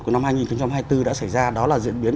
của năm hai nghìn hai mươi bốn đã xảy ra đó là diễn biến